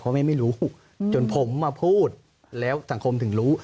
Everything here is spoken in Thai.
เพราะแม่ไม่รู้จนผมมาพูดแล้วสังคมถึงรู้